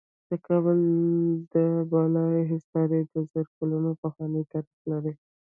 د کابل د بالا حصار د زرو کلونو پخوانی تاریخ لري